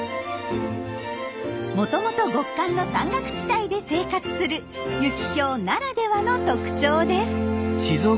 もともと極寒の山岳地帯で生活するユキヒョウならではの特徴です。